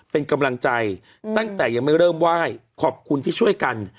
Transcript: เป็นกำลังใจตั้งแต่ยังไม่เริ่มไหว้ขอบคุณที่ช่วยกัน